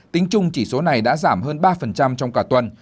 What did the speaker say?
tính chung chỉ số này đã giảm hơn ba trong cả tuần